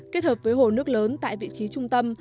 kết hợp với hồ nước lớn tại vị trí trung tâm